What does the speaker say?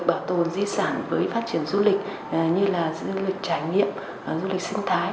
bảo tồn di sản với phát triển du lịch như là du lịch trải nghiệm du lịch sinh thái